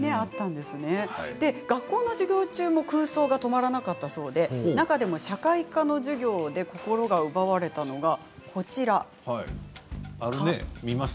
学校の授業中も空想が止まらなかったそうで中でも社会科の授業で心が奪われたものがこちらだそうです。